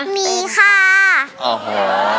มีค่ะ